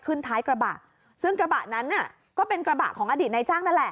ท้ายกระบะซึ่งกระบะนั้นน่ะก็เป็นกระบะของอดีตนายจ้างนั่นแหละ